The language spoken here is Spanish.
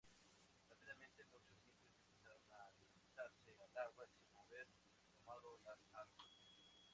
Rápidamente muchos indios empezaron a lanzarse al agua sin haber tomado las armas.